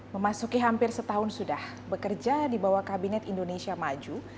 memasuki hampir setahun sudah bekerja di bawah kabinet indonesia maju